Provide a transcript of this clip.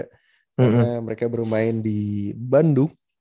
karena mereka bermain di bandung